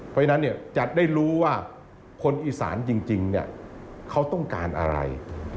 เพราะฉะนั้นเนี่ยจะได้รู้ว่าคนอีสานจริงเขาต้องการอะไร